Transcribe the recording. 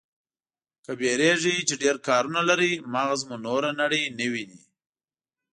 که وېرېږئ چې ډېر کارونه لرئ، مغز مو نوره نړۍ نه ويني.